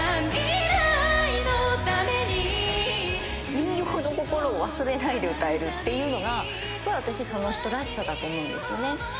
民謡の心を忘れないで歌えるっていうのが私その人らしさだと思うんですよね。